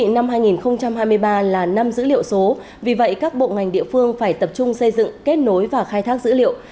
năm hai nghìn hai mươi ba là năm dữ liệu số vì vậy các bộ ngành địa phương phải tập trung xây dựng kết nối và khai thác dữ liệu